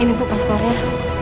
ini bu pasportnya